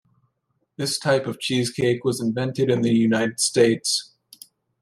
This type of cheesecake was invented in the United States.